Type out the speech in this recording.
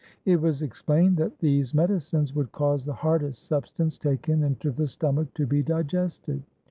It was explained that these medicines would cause the hardest substance taken into the stomach to be digested.